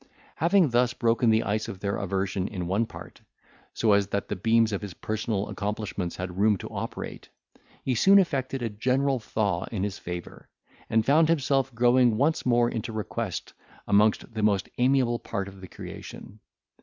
Having thus broken the ice of their aversion in one part, so as that the beams of his personal accomplishments had room to operate, he soon effected a general thaw in his favour, and found himself growing once more into request amongst the most amiable part of the creation.